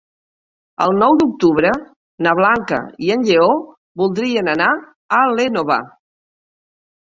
El nou d'octubre na Blanca i en Lleó voldrien anar a l'Énova.